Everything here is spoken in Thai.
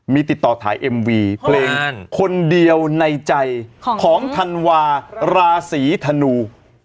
มีติดต่อถ่ายเอ็มวีเพลงคนเดียวในใจของธันวาราศีธนู